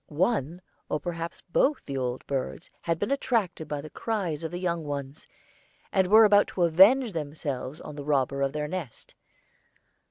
One, or perhaps both the old birds had been attracted by the cries of the young ones, and were about to avenge themselves on the robber of their nest.